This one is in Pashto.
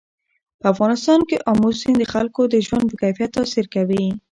په افغانستان کې آمو سیند د خلکو د ژوند په کیفیت تاثیر کوي.